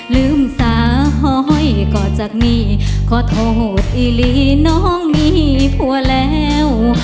ลืมสาหอยก่อจากนี้ขอโทษอีลีน้องมีผัวแล้ว